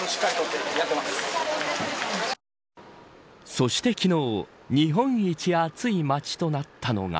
そして昨日日本一暑い街となったのが。